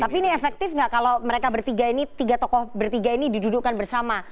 tapi ini efektif nggak kalau mereka bertiga ini tiga tokoh bertiga ini didudukkan bersama